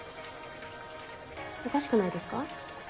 おかしくないですか？